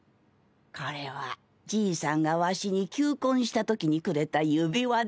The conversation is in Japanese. これはじいさんがわしに求婚したときにくれた指輪でな。